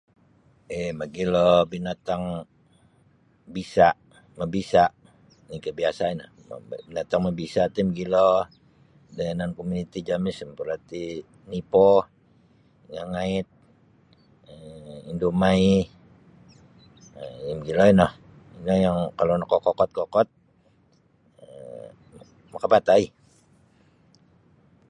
Ih mogilo binatang bisa' mabisa' lainkah biasa' ino mo binatang mabisa' ti mogilo da yanan komuniti jami' seperati nipo lingangait um indumaih um ih mogilo ino ino yang kalau nakakokot-kokot makapatai.